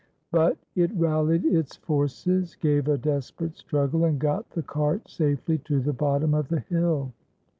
But it rallied its forces, gave a desperate struggle, and got the cart safely to the bottom of the hill.